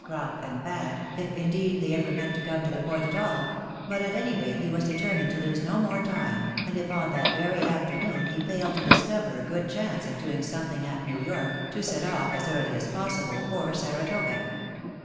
Crop and Fad, if, indeed, they ever meant to come to the point at all ; but at any rate he was determined to lose no more time, and if on that very afternoon he failed to discover a good chance of doing something at New York, to set off as early as possible for Saratoga.